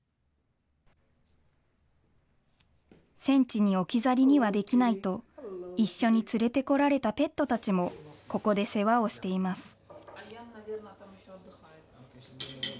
戦地に置き去りにはできないと、一緒に連れてこられたペットたちも、ここで世話をしています。